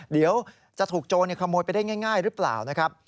เดี๋ยวจะถูกโจรขโมยไปได้ง่ายหรือเปล่านะครับ